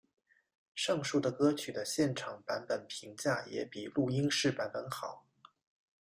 上述的歌曲的现场版本评价也比录音室版本好。